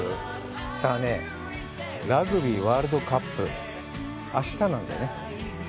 さあね、ラグビーワールドカップ、あしたなんだよね。